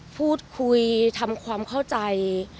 พูดคุยทำความเข้าใจ